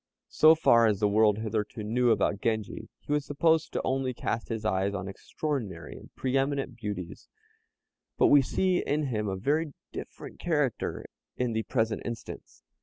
So far as the world hitherto knew about Genji, he was supposed only to cast his eyes on extraordinary and pre eminent beauties; but we see in him a very different character in the present instance.